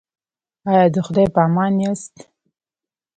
ایا د خدای په امان یاست؟